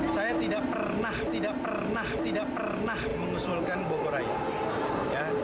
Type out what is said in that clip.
saya tidak pernah tidak pernah tidak pernah mengusulkan bogoraya